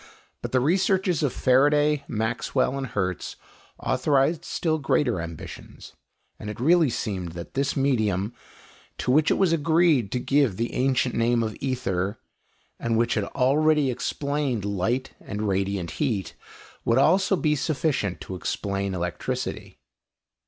But the researches of Faraday, Maxwell, and Hertz authorized still greater ambitions; and it really seemed that this medium, to which it was agreed to give the ancient name of ether, and which had already explained light and radiant heat, would also be sufficient to explain electricity.